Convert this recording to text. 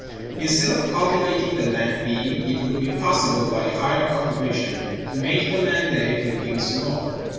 Instead of cultivating the land B, it would be possible, by higher cultivation, to make the land A produce more.